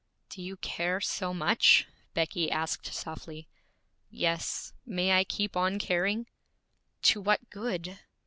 'Do you care so much?' Becky asked softly. 'Yes. May I keep on caring?' 'To what good?'